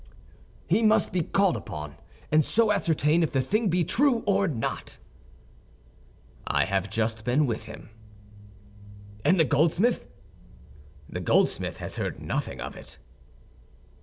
"He must be called upon, and so ascertain if the thing be true or not." "I have just been with him." "And the goldsmith?" "The goldsmith has heard nothing of it."